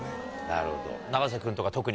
なるほど。